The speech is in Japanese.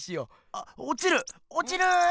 あっおちるおちる！